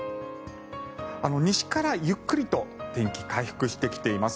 西からゆっくりと天気回復してきています。